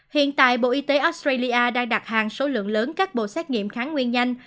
hiện tại bộ y tế australia đang đặt hàng số lượng lớn các bộ xét nghiệm kháng nguyên nhanh